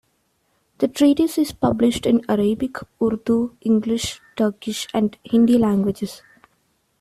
The treatise is published in Arabic, Urdu, English, Turkish and Hindi languages.